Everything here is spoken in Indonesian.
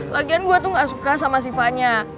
lagian gue tuh gak suka sama sifatnya